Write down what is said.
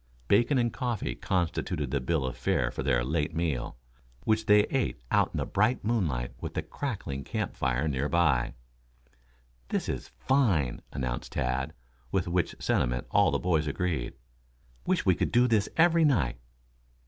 Bacon and coffee constituted the bill of fare for their late meal, which they ate out in the bright moonlight with the crackling camp fire near by. "This is fine," announced Tad, with which sentiment all the boys agreed. "Wish we could do this every night."